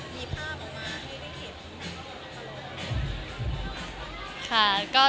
คุณยังได้คุยบ้างคะ